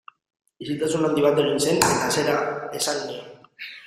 Isiltasun handi bat egin zen eta zera esan nion.